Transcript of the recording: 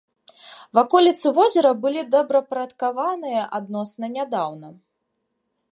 Ваколіцы возера былі добраўпарадкаваныя адносна нядаўна.